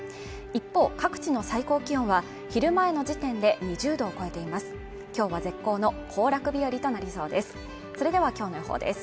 一方各地の最高気温は昼前の時点で２０度を超えています